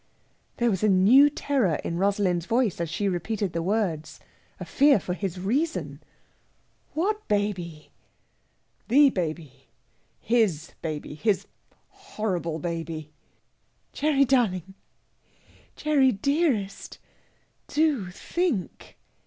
There was a new terror in Rosalind's voice as she repeated the words a fear for his reason. "What baby?" "The baby his baby his horrible baby!" "Gerry darling! Gerry dearest! do think...."